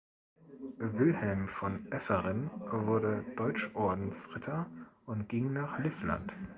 Wilhelm von Efferen wurde Deutschordensritter und ging nach Livland.